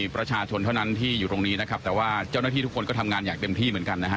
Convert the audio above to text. ประชาชนเท่านั้นที่อยู่ตรงนี้นะครับแต่ว่าเจ้าหน้าที่ทุกคนก็ทำงานอย่างเต็มที่เหมือนกันนะฮะ